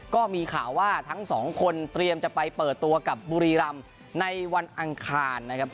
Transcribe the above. ก็มีข่าวว่าทั้งสองคนเตรียมจะไปเปิดตัวกับบุรีรำในวันอังคารนะครับ